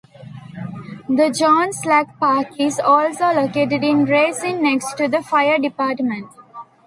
The John Slack Park is also located in Racine next to the Fire Department.